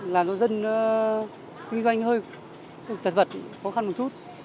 làm cho dân kinh doanh hơi trật vật khó khăn một chút